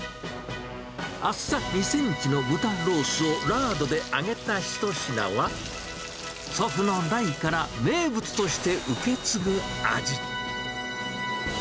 厚さ２センチの豚ロースをラードで揚げた一品は、祖父の代から名物として受け継ぐ味。